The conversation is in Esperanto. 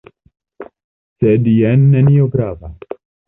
Sed jen nenio grava.